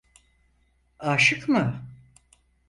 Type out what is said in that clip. Aşık mı?